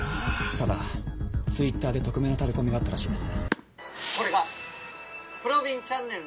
ただＴｗｉｔｔｅｒで匿名のタレコミがあったらしいです。